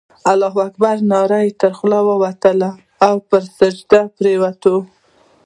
الله اکبر ناره یې تر خولې ووتله او پر سجده پرېوت.